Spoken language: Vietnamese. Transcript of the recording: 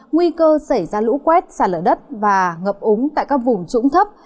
nguy cơ xảy ra lũ quét xả lở đất và ngập úng tại các vùng trũng thấp